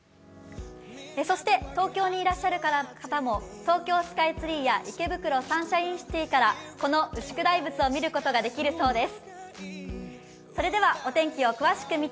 そして東京にいらっしゃる方も東京スカイツリーや池袋サンシャインシティからこの牛久大仏が見ることができるそうです。